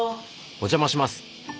お邪魔します。